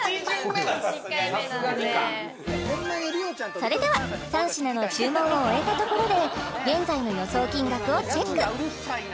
それでは３品の注文を終えたところで現在の予想金額をチェック！